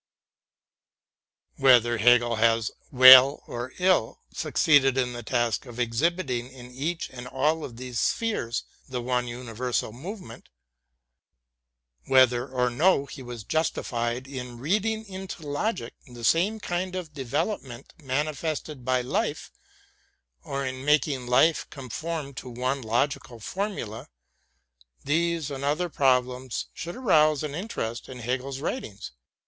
Whether Hegel has well or ill succeeded in the task of exhibiting in each and all of these spheres the one universal movement, whether or no he was justified in reading into logic the same kind of development manifested by life, or in making life conform to one logical formula — these and other problems should arouse an interest in Hegel's writ ings.